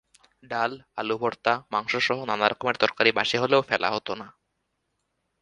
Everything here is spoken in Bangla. ডাল, আলু ভর্তা, মাংসসহ নানা রকমের তরকারি বাসি হলেও ফেলা হতো না।